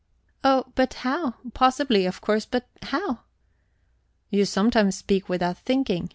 "Oh, but how? Possibly, of course, but how?" "You sometimes speak without thinking.